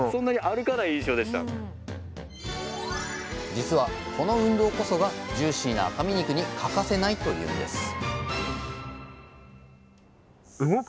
実はこの運動こそがジューシーな赤身肉に欠かせないというんですはい。